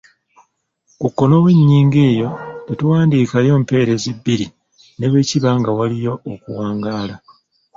Ku kkono w’ennyingo eyo tetuwandiikayo mpeerezi bbiri ne bwe kiba nga waliyo okuwangaala.